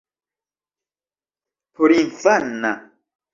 porinfana